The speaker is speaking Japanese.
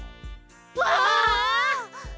わあ！